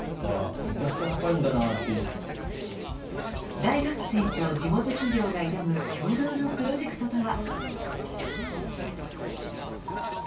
大学生と地元企業が挑む共同のプロジェクトとは。